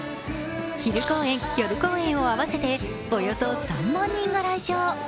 昼公演・夜公演を合わせておよそ３万人が来場。